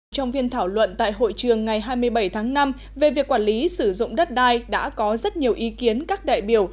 trong viên thảo luận tại hội trường ngày hai mươi bảy tháng năm về việc quản lý sử dụng đất đai đã có rất nhiều ý kiến các đại biểu